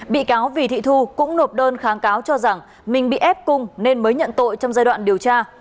bị cáo vì thị thu cũng nộp đơn kháng cáo cho rằng mình bị ép cung nên mới nhận tội trong giai đoạn điều tra